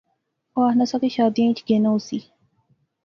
اوہ آخنا سا کہ شادیاں اچ گینا ہوسی